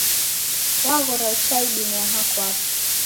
Waghora ucha idime aha kwapo